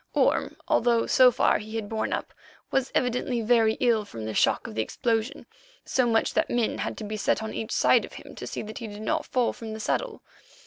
Orme, although so far he had borne up, was evidently very ill from the shock of the explosion, so much so that men had to be set on each side of him to see that he did not fall from the saddle.